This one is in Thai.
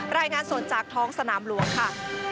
รายงานสดจากท้องสนามหลวงค่ะ